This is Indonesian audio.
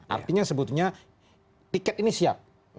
artinya sebetulnya tiket ini siap